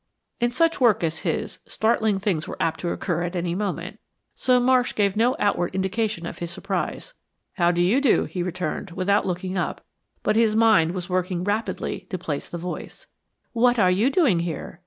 In work such as his, startling things were apt to occur at any moment, so Marsh gave no outward indication of his surprise. "How do you do," he returned, without looking up, but his mind was working rapidly to place the voice. "What are you doing here?"